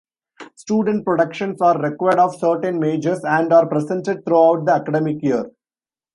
Student productions are required of certain majors, and are presented throughout the academic year.